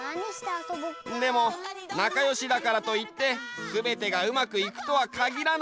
でもなかよしだからといってすべてがうまくいくとはかぎらない。